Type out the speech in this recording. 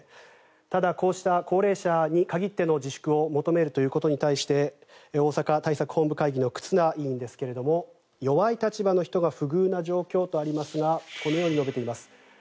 ただ、こうした高齢者に限っての自粛を求めることに対して大阪対策本部会議の忽那委員ですが弱い立場の人が不遇な状況とありますがこのように述べています。